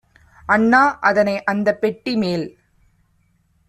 "அண்ணா அதனை அந்தப் பெட்டிமேல்